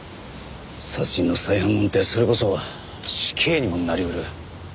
殺人の再犯なんてそれこそ死刑にもなり得る。